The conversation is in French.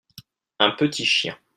un petit chien.